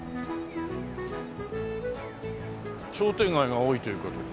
商店街が多いという事で。